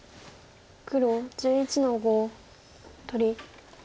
黒１１の五取り。